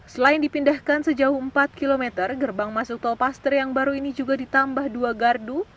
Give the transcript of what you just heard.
selain dipindahkan sejauh empat km gerbang masuk tol paster yang baru ini juga ditambah dua gardu